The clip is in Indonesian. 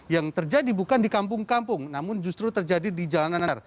yang terjadi bukan di kampung kampung namun justru terjadi di jalanan